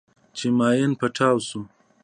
چې ماين پټاو سو.